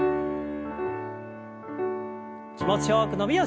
気持ちよく伸びをして。